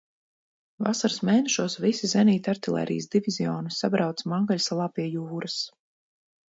Vasaras mēnešos visi zenītartilērijas divizioni sabrauca Mangaļsalā pie jūras.